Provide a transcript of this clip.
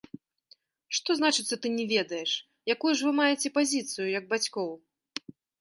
Што значыцца, ты не ведаеш, якую ж вы маеце пазіцыю як бацькоў?